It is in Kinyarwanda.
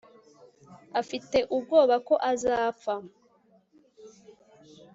afite ubwoba ko azapfa